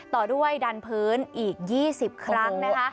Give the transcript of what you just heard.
ต่อด้วยดันพื้นอีก๒๐ครั้งนะคะ